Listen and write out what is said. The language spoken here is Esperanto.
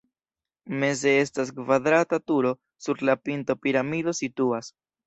Meze estas kvadrata turo, sur la pinto piramido situas.